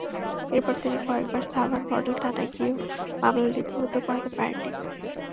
এরপর তিনি কয়েকবার সাভার মডেল থানায় গিয়েও মামলা লিপিবদ্ধ করাতে পারেননি।